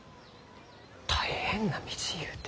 「大変な道」ゆうて。